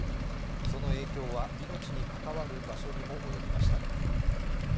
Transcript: その影響は命に関わる場所にもおよびました。